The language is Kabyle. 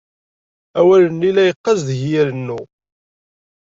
Awal-nni, la yeqqaz deg-i irennu.